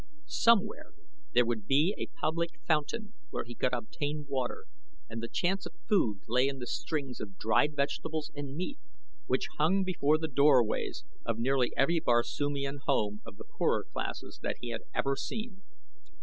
Somewhere there would be a public fountain where he could obtain water, and the chance of food lay in the strings of dried vegetables and meat which hung before the doorways of nearly every Barsoomian home of the poorer classes that he had ever seen.